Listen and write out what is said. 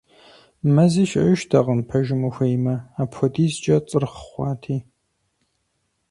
Мэзи щыӀэжтэкъым, пэжым ухуеймэ, апхуэдизкӀэ цӀырхъ хъуати.